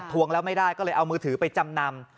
วงแล้วไม่ได้ก็เลยเอามือถือไปจำนำ